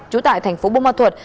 chú tại thành phố bông ma thuột